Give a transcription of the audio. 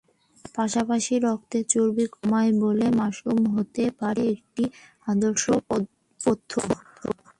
পাশাপাশি রক্তের চর্বি কমায় বলে মাশরুম হতে পারে একটি আদর্শ পথ্য।